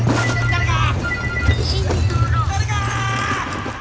誰か！